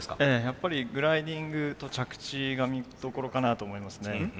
やっぱりグライディングと着地が見どころかなと思いますね。